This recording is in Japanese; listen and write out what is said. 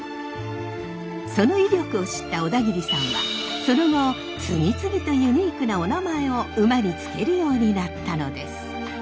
その威力を知った小田切さんはその後次々とユニークなおなまえを馬に付けるようになったのです。